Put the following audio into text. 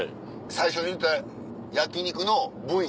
最初に言うた焼肉の部位。